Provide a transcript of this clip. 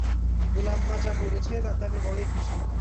গোলাপ-মা যা করেছে, তাতে আমি বড়ই খুশী।